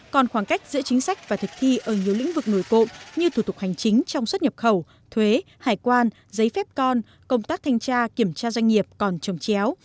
còn khoảng cách giữa chính sách và thực thi ở nhiều lĩnh vực nổi cộng như thủ tục hành chính trong xuất nhập khẩu thuế hải quan giấy phép con công tác thanh tra kiểm tra doanh nghiệp còn trồng chéo